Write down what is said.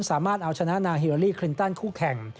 สามารถเอาชนะนาฮิเวอรี่คลินตันคู่แข่ง